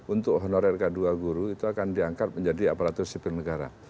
untuk honorer k dua guru itu akan diangkat menjadi aparatur sipil negara